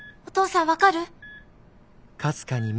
お父さん分かる？